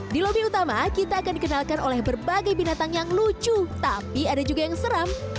di lobi utama kita akan dikenalkan oleh berbagai binatang yang lucu tapi ada juga yang seram